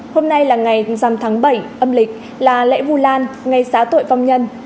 hôm nay là ngày năm tháng bảy âm lịch là lễ vu lan ngày xá tội phong nhân